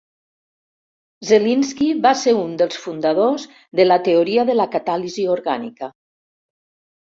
Zelinsky va ser un dels fundadors de la teoria de la catàlisi orgànica.